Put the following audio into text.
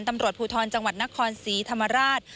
ตำรวจภูทรจังหวัดนครศรีธรรมราช